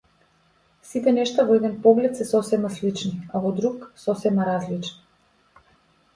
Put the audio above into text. Сите нешта во еден поглед се сосема слични, а во друг сосема различни.